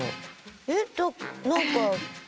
えっ何か。